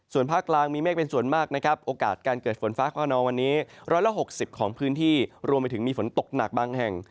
ส่วนภาคกลางมีเมฆเป็นส่วนมากนะครับโอกาสการเกิดฝนฟ้าขนองวันนี้๑๖๐ของพื้นที่รวมไปถึงมีฝนตกหนักบางแห่ง